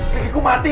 kegigit aku mati